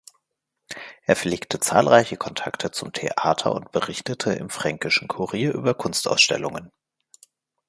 Er pflegte zahlreiche Kontakte zum Theater und berichtete im "Fränkischen Kurier" über Kunstausstellungen.